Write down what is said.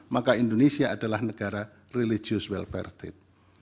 maka indonesia adalah negara yang religious welfare state